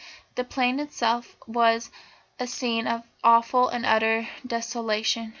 The plain itself was a scene of awful and utter desolation.